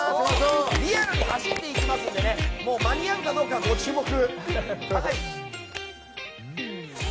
リアルに走っていきますので間に合うかどうかご注目。